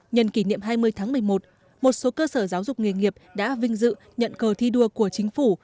nhân kỷ niệm hai mươi tháng một mươi một một số cơ sở giáo dục nghề nghiệp đã vinh dự nhận cờ thi đua của chính phủ